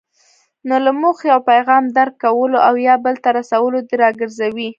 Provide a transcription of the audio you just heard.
نو له موخې او پیغام درک کولو او یا بل ته رسولو دې راګرځوي.